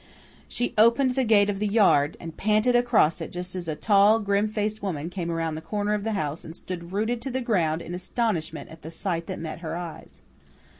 She opened the gate of the yard, and panted across it just as a tall, grim faced woman came around the corner of the house and stood rooted to the ground in astonishment at the sight that met her eyes.